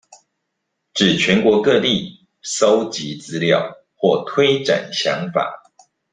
至全國各地蒐集資料或推展想法